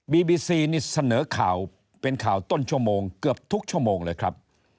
บีซีนี่เสนอข่าวเป็นข่าวต้นชั่วโมงเกือบทุกชั่วโมงเลยครับ